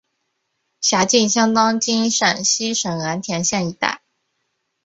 辖境相当今陕西省蓝田县一带。